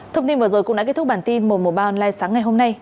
thông tin vừa rồi cũng đã kết thúc bản tin mùa mùa ba online sáng ngày hôm nay